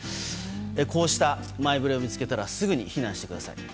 こうした前触れを見つけたらすぐに避難してください。